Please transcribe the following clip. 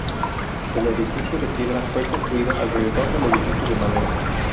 El edificio de piedra fue construido alrededor del edificio de madera.